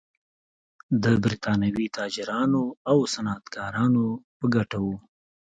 د برېټانوي تاجرانو او صنعتکارانو په ګټه و.